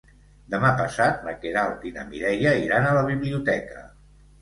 Demà passat na Queralt i na Mireia iran a la biblioteca.